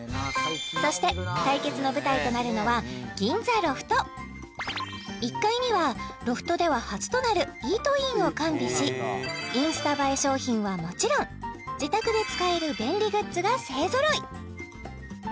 そして対決の舞台となるのは銀座ロフト１階にはロフトでは初となるイートインを完備しインスタ映え商品はもちろん自宅で使える便利グッズが勢ぞろい